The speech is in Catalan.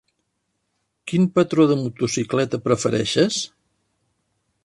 Quin patró de motocicleta prefereixes?